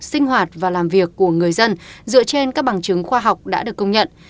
sinh hoạt và làm việc của người dân dựa trên các bằng chứng khoa học đã được công nhận